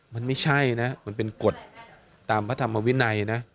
มันไม่ใช่นะมันเป็นกฎตามพระธรรมวินัยนะ